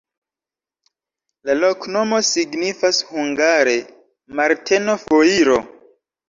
La loknomo signifas hungare: Marteno-foiro.